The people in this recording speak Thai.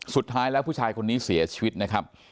สุดท้ายแล้วผู้ชายคนนี้เสียชีวิตนะครับ